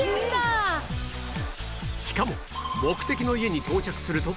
しかも目的の家に到着すると